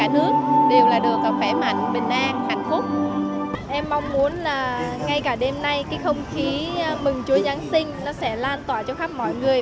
ngay cả đêm nay không khí mừng chúa giáng sinh sẽ lan tỏa trong khắp mọi người